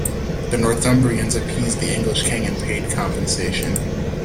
The Northumbrians appeased the English king and paid compensation.